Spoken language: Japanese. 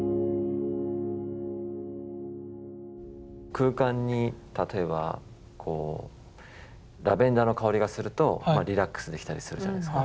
空間に例えばこうラベンダーの香りがするとリラックスできたりするじゃないですか。